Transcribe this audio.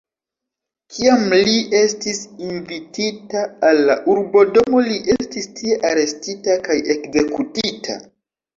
Kiam li estis invitita al la urbodomo, li estis tie arestita kaj ekzekutita.